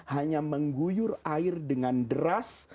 hanya mengguyur air dengan deras